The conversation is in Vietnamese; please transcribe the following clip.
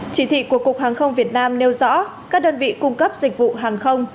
chỉ thị của cục hàng không việt nam nêu rõ các đơn vị cung cấp dịch vụ hàng không